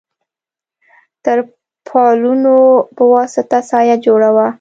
تر پالونو په واسطه سایه جوړه وه.